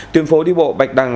tuyên phố đi bộ bạch đằng